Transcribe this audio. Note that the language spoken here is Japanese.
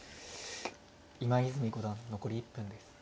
今泉五段残り１分です。